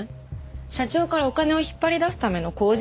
社長からお金を引っ張り出すための口実です。